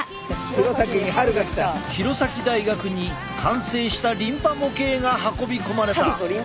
弘前大学に完成したリンパ模型が運び込まれた。